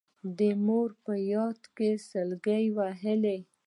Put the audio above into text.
د پلار په ياد يې سلګۍ ووهلې.